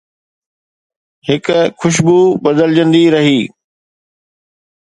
هڪ خوشبو بدلجندي رهي